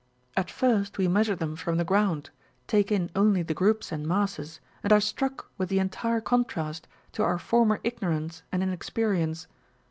At first we measure them from the ground, take in only the groups and masses, and are struck with the entire contrast to our former ignorance and inexperience.